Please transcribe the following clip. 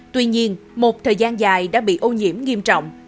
tuy nhiên một thời gian dài đã bị ô nhiễm nghiêm trọng